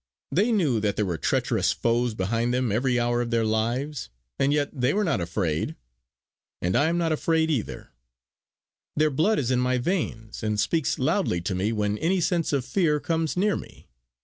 They knew that there were treacherous foes behind them every hour of their lives; and yet they were not afraid. And I am not afraid either. Their blood is in my veins, and speaks loudly to me when any sense of fear comes near me.